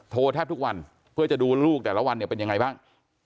แทบทุกวันเพื่อจะดูลูกแต่ละวันเนี่ยเป็นยังไงบ้าง